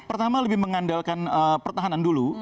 pertama lebih mengandalkan pertahanan dulu